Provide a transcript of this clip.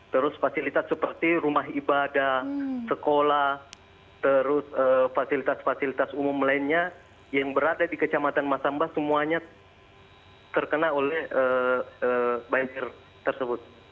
terus fasilitas seperti rumah ibadah sekolah terus fasilitas fasilitas umum lainnya yang berada di kecamatan masamba semuanya terkena oleh banjir tersebut